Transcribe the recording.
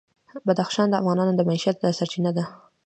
بدخشان د افغانانو د معیشت سرچینه ده.